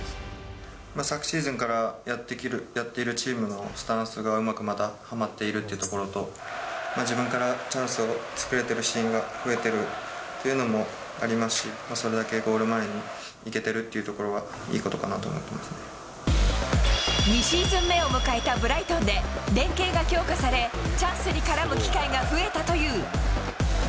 昨シーズンからやっているチームのスタンスが、うまくまたはまっているというところと、自分からチャンスを作れてるシーンが増えているっていうのもありますし、それだけゴール前に行けてるっていうところは、いいことかなと思２シーズン目を迎えたブライトンで、連係が強化され、チャンスに絡む機会が増えたという。